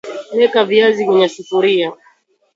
Weka viazi kwenye sufuria